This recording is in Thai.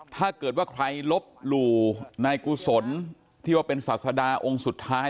ถ้าเกิดว่าใครลบหลู่นายกุศลที่ว่าเป็นศาสดาองค์สุดท้าย